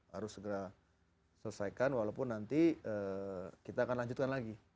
harus segera selesaikan walaupun nanti kita akan lanjutkan lagi